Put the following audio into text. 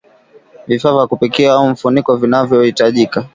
Vifaa vya kupikia au mfuniko vinavyohitajika